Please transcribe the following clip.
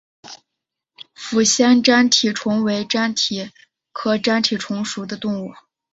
抚仙粘体虫为粘体科粘体虫属的动物。